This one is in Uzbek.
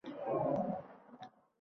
Ularni bosqichma-bosqich kiritdim.